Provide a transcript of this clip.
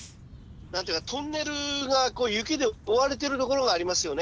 何ていうかトンネルが雪で覆われてる所がありますよね？